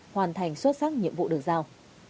hoàn thành xuất sắc nhiệm vụ được giao